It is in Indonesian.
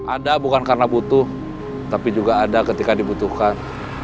ada bukan karena butuh tapi juga ada ketika dibutuhkan